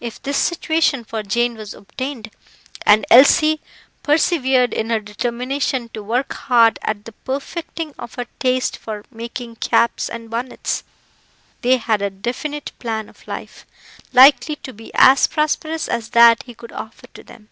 If this situation for Jane was obtained, and Elsie persevered in her determination to work hard at the perfecting of her taste for making caps and bonnets, they had a definite plan of life, likely to be as prosperous as that he could offer to them.